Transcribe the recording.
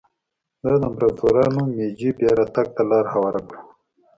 دا د امپراتور مېجي بیا راتګ ته لار هواره کړه.